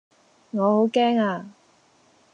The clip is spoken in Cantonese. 我好驚呀